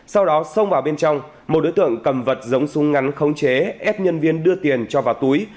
sau đó xông vào bên trong một đối tượng cầm vật giống súng ngắn khống chế ép nhân viên đưa tiền cho vào túi